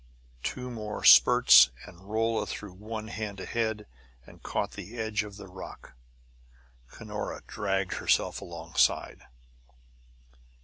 Two more spurts, and Rolla threw one hand ahead and caught the edge of the rock. Cunora dragged herself alongside.